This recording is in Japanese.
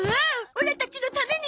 オラたちのために！